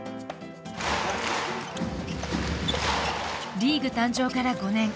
リーグ誕生から５年。